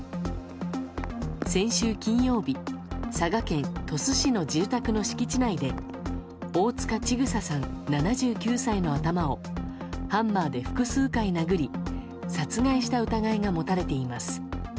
先週金曜日佐賀県鳥栖市の住宅の敷地内で大塚千種さん、７９歳の頭をハンマーで複数回殴り殺害した疑いが持たれています。